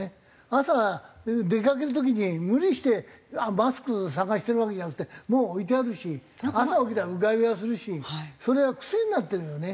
朝出かける時に無理してマスク探してるわけじゃなくてもう置いてあるし朝起きたらうがいはするしそれは癖になってるよね。